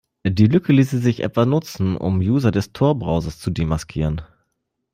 Die Lücke ließe sich etwa nutzen, um User des Tor-Browsers zu demaskieren.